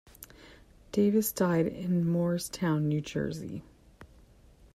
Davis died in Moorestown, New Jersey.